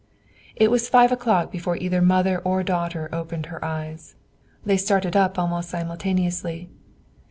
It was five o'clock before either mother or daughter opened her eyes; they started up almost simultaneously.